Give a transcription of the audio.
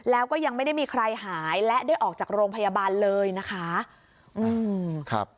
แล้วก็ยังไม่ได้มีใครหายและได้ออกจากโรงพยาบาลเลยนะคะอืมครับ